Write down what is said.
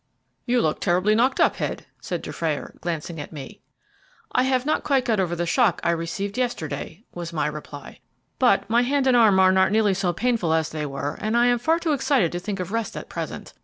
"You look terribly knocked up, Head," said Dufrayer, glancing at me. "I have not quite got over the shock I received yesterday," was my reply; "but my hand and arm are not nearly so painful as they were, and I am far too excited to think of rest at present.